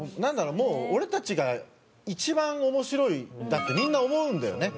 もう俺たちが一番面白いんだってみんな思うんだよね。